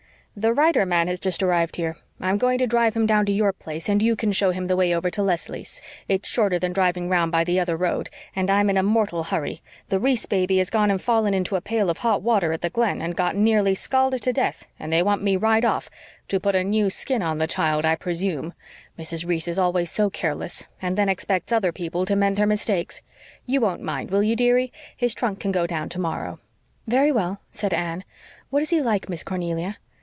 "The writer man has just arrived here. I'm going to drive him down to your place, and you can show him the way over to Leslie's. It's shorter than driving round by the other road, and I'm in a mortal hurry. The Reese baby has gone and fallen into a pail of hot water at the Glen, and got nearly scalded to death and they want me right off to put a new skin on the child, I presume. Mrs. Reese is always so careless, and then expects other people to mend her mistakes. You won't mind, will you, dearie? His trunk can go down tomorrow." "Very well," said Anne. "What is he like, Miss Cornelia?"